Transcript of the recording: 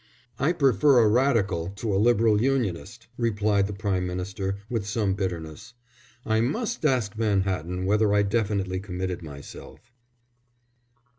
"I prefer a Radical to a Liberal Unionist," replied the Prime Minister, with some bitterness. "I must ask Vanhatton whether I definitely committed myself."